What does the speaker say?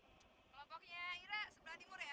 kelompoknya ira sebelah timur ya